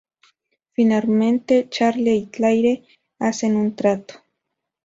Finalmente, Charlie y Claire hacen un trato.